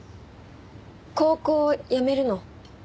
高校やめるの？